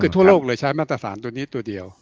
คือทั่วโลกเลยใช้มาตรฐานตัวนี้ตัวเดียว